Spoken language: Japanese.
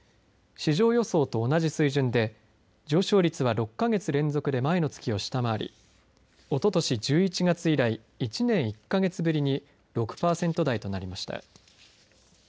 市場予想と同じ水準で上昇率は６か月連続で前の月を下回りおととし１１月以来１年１か月ぶりに６パーセント台となりました。